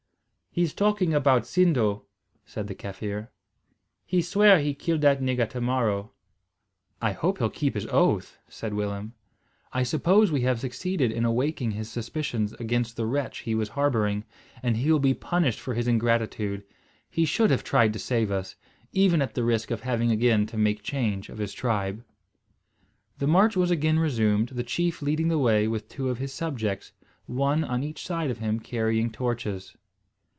"He's talking about Sindo," said the Kaffir. "He swear he kill dat nigga to morrow." "I hope he'll keep his oath," said Willem. "I suppose we have succeeded in awaking his suspicions against the wretch he was harbouring; and he will be punished for his ingratitude. He should have tried to save us, even at the risk of having again to make change of his tribe." The march was again resumed, the chief leading the way with two of his subjects, one on each side of him carrying torches.